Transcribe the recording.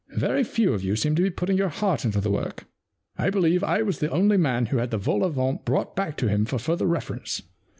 Very few of you seemed to be putting your heart into the work, and I believe I was the only man who had the vol au vent brought back to him for further reference.